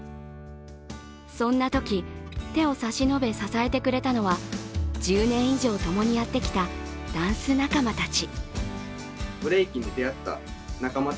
そんなとき、手を差し伸べ支えてくれたのは、１０年以上、共にやってきたダンス仲間たち。